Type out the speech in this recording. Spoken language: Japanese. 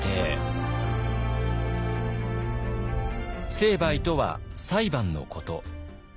「成敗」とは「裁判」のこと。